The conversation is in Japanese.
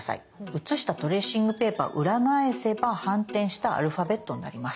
写したトレーシングペーパー裏返せば反転したアルファベットになります。